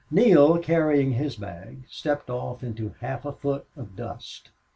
Neale, carrying his bag, stepped off into half a foot of dust.